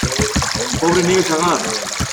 ¡ pobre Nieves Agar